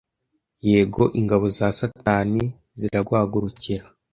Yego ingabo za Satani ziraguhagurukira